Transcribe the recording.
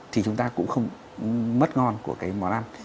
thì chúng ta cũng không mất ngon của cái món ăn